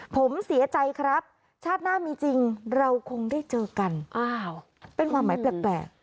ผมเสียใจครับชาติหน้ามีจริงเราคงได้เจอกันอ้าวเป็นความหมายแปลก